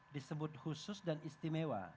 disebut khusus dan istimewa